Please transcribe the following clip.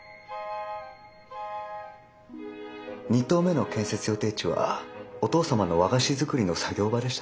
２棟目の建設予定地はお父様の和菓子作りの作業場でしたね。